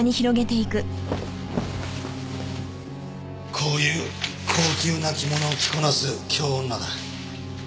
こういう高級な着物を着こなす京女だ。